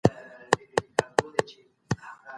غلام محمد میمنه وال د پښتو ژبې د معاصرې